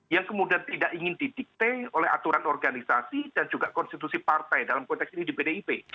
yang kemudian tidak ingin didikte oleh aturan organisasi dan juga konstitusi partai dalam konteks ini di pdip